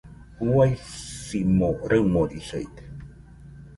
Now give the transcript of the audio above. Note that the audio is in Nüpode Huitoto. Uaisimo raɨmorisaide